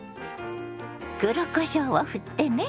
黒こしょうをふってね。